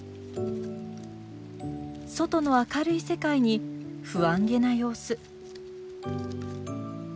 外の明るい世界に不安げな様子。